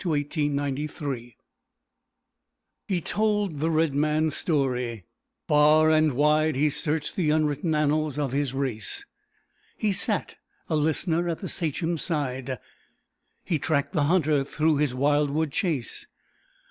FRANCIS PARKMAN (1822 1893) He told the red man's story; far and wide He searched the unwritten annals of his race; He sat a listener at the Sachem's side, He tracked the hunter through his wild wood chase.